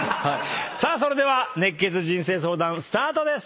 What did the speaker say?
それでは熱血人生相談スタートです！